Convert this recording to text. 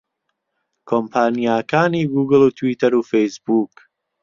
کۆمپانیاکانی گووگڵ و تویتەر و فەیسبووک